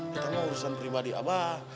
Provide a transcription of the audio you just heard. itu mah urusan pribadi abah